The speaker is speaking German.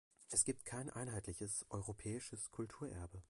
Es gibt kein einheitliches "europäisches Kulturerbe".